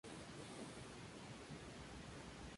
Se dedicó a la industria de la panadería durante años.